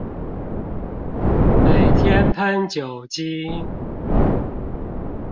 每天噴酒精